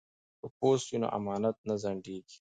که پوست وي نو امانت نه ځنډیږي.